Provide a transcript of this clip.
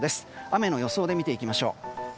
雨の予想で見てみましょう。